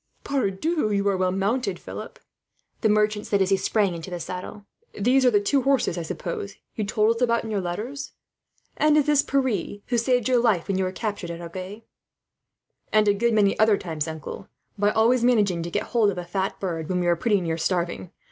"Pardieu, but you are well mounted, Philip," the merchant said, as he sprang into the saddle. "These are the two horses, I suppose, you told us about in your letters. "And is this Pierre, who saved your life when you were captured at Agen?" "And a good many other times, uncle, by always managing to get hold of a fat pullet when we were pretty near starving.